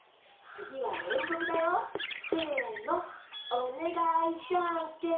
「おねがいじゃんけん」